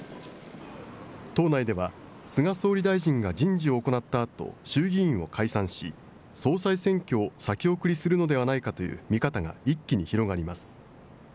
党内では、菅総理大臣が人事を行ったあと、衆議院を解散し、総裁選挙を先送りするのではないかという見方が一気に広がります。